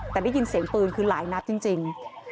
แต่ได้ยินเสียงปืนคือหลายนัดจริง